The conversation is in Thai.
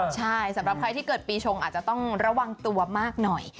ใช่สำหรับใครที่เกิดปีชงอาจจะต้องระวังตัวมากหน่อย